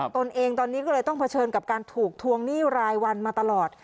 ตนเองตอนนี้ก็เลยต้องเผชิญกับการถูกทวงหนี้รายวันมาตลอด